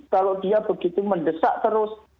kalau dia begitu mendesak terus